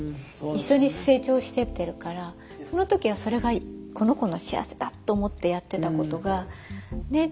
一緒に成長してってるからその時はそれがこの子の幸せだと思ってやってたことがね？